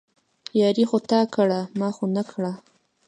ياري خو تا کړه، ما خو نه کړه